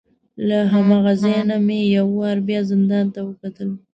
له هماغه ځای نه مې یو وار بیا زندان ته وکتل.